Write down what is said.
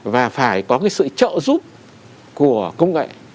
và phải có sự trợ giúp của công nghệ